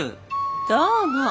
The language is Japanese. どうも。